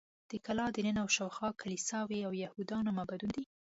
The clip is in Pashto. د کلا دننه او شاوخوا کلیساوې او یهودانو معبدونه دي.